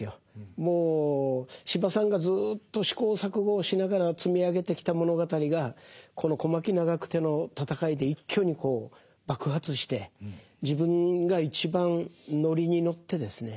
もう司馬さんがずっと試行錯誤をしながら積み上げてきた物語がこの小牧・長久手の戦いで一挙に爆発して自分が一番乗りに乗ってですね